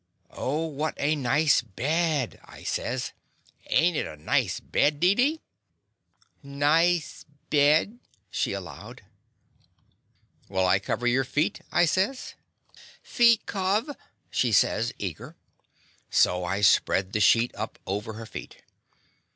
"Oh, what a nice bed!" I says. "Ain't it a nice bed, Deedee?" The Confessions of a Daddy "Nice bed/' she allowed. "Will I cover your feet?'' I says. "Feet cov," she sa^s, eager. So I spread the sheet up over her feet.